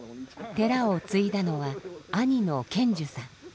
寺を継いだのは兄の顕寿さん。